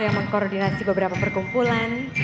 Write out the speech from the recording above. yang mengkoordinasi beberapa perkumpulan